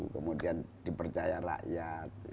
kemudian dipercaya rakyat